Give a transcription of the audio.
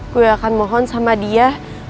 gue akan mohon sama dia